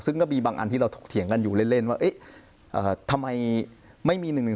ซึ่งก็มีบางอันที่เราถกเถียงกันอยู่เล่นว่าทำไมไม่มี๑๑๒